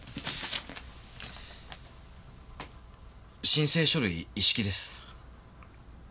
申請書類一式です。